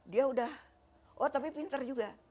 dia udah oh tapi pinter juga